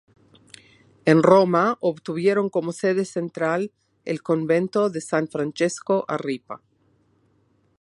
En Roma, obtuvieron como sede central el convento de San Francesco a Ripa.